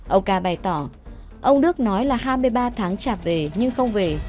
ông ca bày tỏ ông đức nói là hai mươi ba tháng chạp về nhưng không về